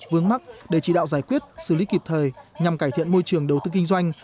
vướng mắt để chỉ đạo giải quyết xử lý kịp thời nhằm cải thiện môi trường đầu tư kinh doanh